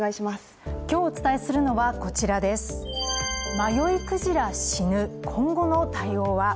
今日お伝えするのは迷いクジラ死ぬ、今後の対応は。